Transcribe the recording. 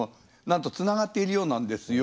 なんとつながっているようなんですよ。